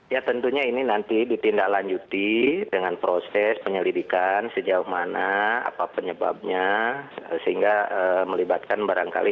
ya tentunya ini nanti ditindaklanjuti dengan proses penyelidikan sejauh mana apa penyebabnya sehingga melibatkan barangkali